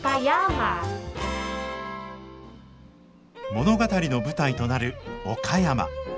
物語の舞台となる岡山。